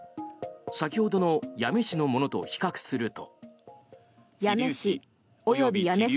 先ほどの八女市のものと比較すると。